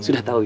sudah tau iya